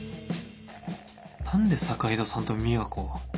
何で坂井戸さんと美和子